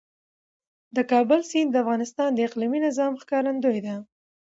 د کابل سیند د افغانستان د اقلیمي نظام ښکارندوی دی.